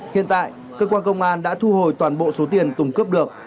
hiện tại cơ quan công an đã thu hồi toàn bộ số tiền tùng cướp được